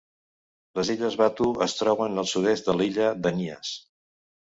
Les illes Batu es troben al sud-est de l'illa de Nias.